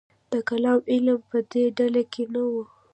د کلام علم په دې ډله کې نه و.